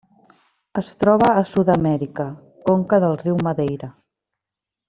Es troba a Sud-amèrica: conca del riu Madeira.